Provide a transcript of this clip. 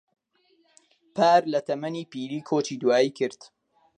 پار لە تەمەنی پیری کۆچی دوایی کرد.